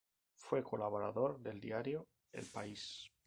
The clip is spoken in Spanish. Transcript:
Fue colaborador del diario "El País".